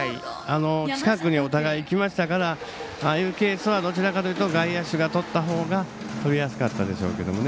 近くにお互い、行きましたからああいうケースは外野手がとったほうがとりやすかったでしょうけどね。